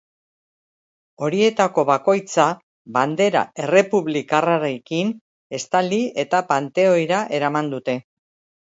Horietako bakoitza bandera errepublikarrarekin estali eta panteoira eraman dute.